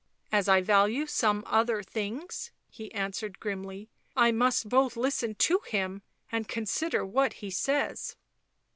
As I value some other things," he answered grimly, " I must both listen to him and consider what he says."